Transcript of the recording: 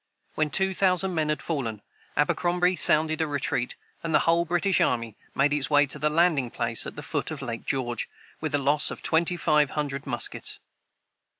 When two thousand men had fallen, Abercrombie sounded a retreat, and the whole British army made its way to the landing place at the foot of Lake George, with a loss of twenty five hundred muskets.